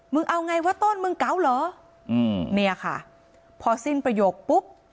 เอาไงว่าต้นมึงเกาเหรออืมเนี่ยค่ะพอสิ้นประโยคปุ๊บ